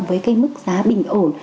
với cái mức giá bình ổn